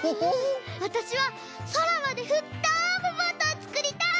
わたしはそらまでふっとぶボートをつくりたい！